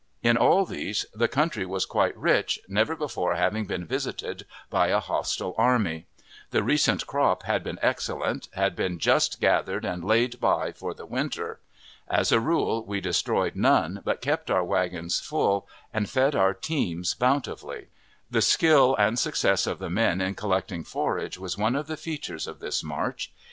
In all these the country was quite rich, never before having been visited by a hostile army; the recent crop had been excellent, had been just gathered and laid by for the winter. As a rule, we destroyed none, but kept our wagons full, and fed our teams bountifully. The skill and success of the men in collecting forage was one of the features of this march.